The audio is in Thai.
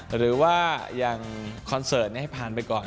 หรือว่าอย่างคอนเสิร์ตให้ผ่านไปก่อน